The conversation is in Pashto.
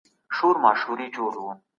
ولي خلګ په ټولنو کي ژوند کوي؟